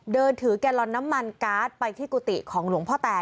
เดินถือแกลลอนน้ำมันการ์ดไปที่กุฏิของหลวงพ่อแต